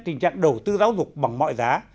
tình trạng đầu tư giáo dục bằng mọi giá